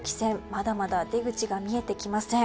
まだまだ出口が見えてきません。